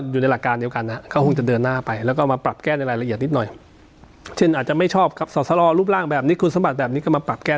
ยันอาจจะไม่ชอบสอสเหรอรูปร่างแบบนี้คุณสมบัติแบบนี้ก็มาปรับแก้